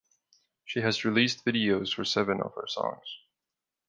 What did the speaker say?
She has released videos for seven of her songs.